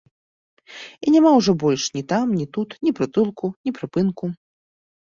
І няма ўжо больш ні там ні тут ні прытулку, ні прыпынку.